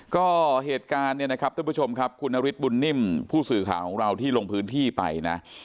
ก็เหตุการณ์เนี่ยนะครับทุกผู้ชมครับคุณนฤทธบุญนิ่มผู้สื่อข่าวของเราที่ลงพื้นที่ไปนะ